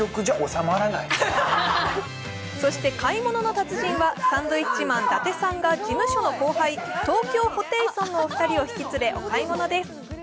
そして「買い物の達人」はサンドウィッチマン・伊達さんが事務所の後輩、東京ホテイソンのお二人を引き連れお買い物です。